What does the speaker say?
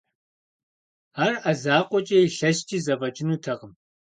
Ар Ӏэ закъуэкӀэ илъэскӀи зэфӀэкӀынутэкъым.